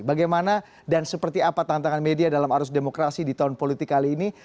bagaimana dan seperti apa tantangan media dalam arus demokrasi di tahun politik kali ini